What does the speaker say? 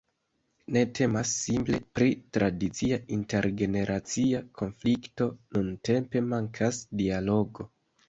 Ne temas simple pri tradicia intergeneracia konflikto: nuntempe mankas dialogo.